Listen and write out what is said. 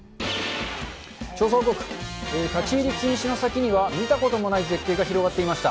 調査報告、立ち入り禁止の先には、見たこともない絶景が広がっていました。